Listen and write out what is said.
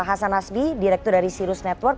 hasan nasbi direktur dari sirus network